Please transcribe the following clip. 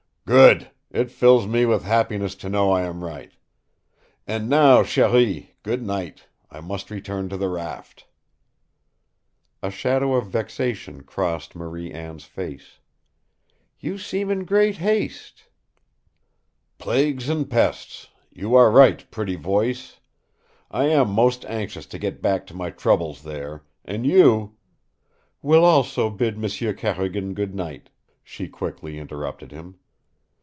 "Good! It fills me with happiness to know I am right. And now, cherie, good night! I must return to the raft." A shadow of vexation crossed Marie Anne's face. "You seem in great haste." "Plagues and pests! You are right, Pretty Voice! I am most anxious to get back to my troubles there, and you " "Will also bid M'sieu Carrigan good night," she quickly interrupted him.